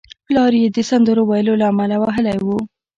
پلار یې د سندرو ویلو له امله وهلی و